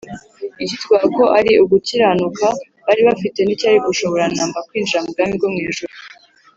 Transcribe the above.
icyitwaga ko ari ugukiranuka bari bafite nticyari gushobora na mba kwinjira mu bwami bwo mu ijuru